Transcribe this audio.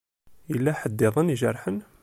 Yella ḥedd-iḍen ijerḥen?